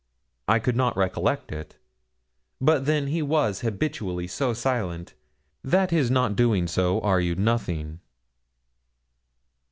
I could not recollect it. But then he was habitually so silent, that his not doing so argued nothing.